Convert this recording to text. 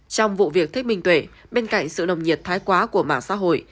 trong vụ việc thích minh tuệ bên cạnh sự nồng nhiệt thái quá của mạng xã hội